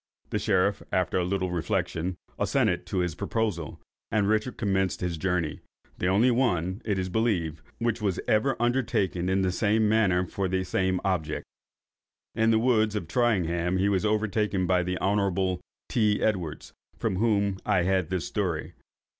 The sheriff, after a little reflection, assented to his proposal, and Richard commenced his journey; the only one, it is believed, which was ever undertaken in the same manner for the same object. In the woods of Tyringham he was overtaken by the Hon. T. Edwards, from whom I had this story.